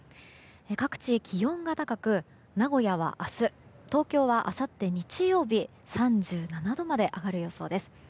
各地、気温が高く名古屋は明日東京はあさって日曜日３７度まで上がる予想です。